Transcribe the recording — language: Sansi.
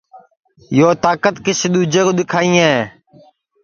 یو تاکت کسی دؔوجے کُو دؔیکھائیں